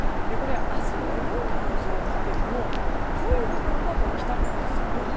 明日、土曜日の予想を見ても濃い部分は北日本すっぽり。